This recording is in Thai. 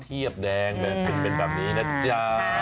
เทียบแดงเลยถึงเป็นแบบนี้นะจ๊ะ